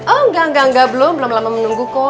oh enggak enggak enggak belum lama lama menunggu ko